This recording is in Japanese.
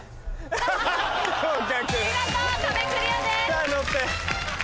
さぁ乗って。